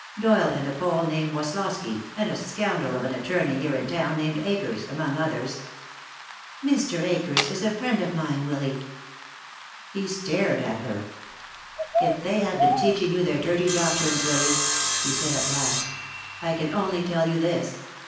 Doyle and a Pole named Woslosky, and a scoundrel of an attorney here in town, named Akers, among others." "Mr. Akers is a friend of mine, Willy." He stared at her. "If they have been teaching you their dirty doctrines, Lily," he said at last, "I can only tell you this.